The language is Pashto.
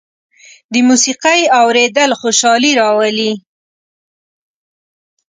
د موسيقۍ اورېدل خوشالي راولي.